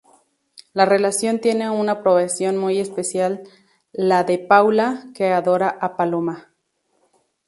La relación tiene una aprobación muy especial la de Paula, que adora a Paloma.